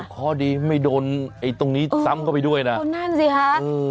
ข้อดีไม่โดนไอ้ตรงนี้ซ้ำเข้าไปด้วยนะโอ้นั่นสิคะ